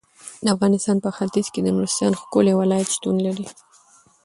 د افغانستان په ختیځ کې د نورستان ښکلی ولایت شتون لري.